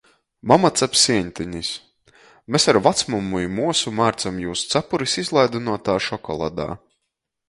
Mama cap sieņtenis, mes ar vacmamu i muosom mārcam jūs capuris izlaidynuotā šokoladā.